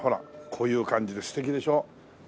こういう感じで素敵でしょ？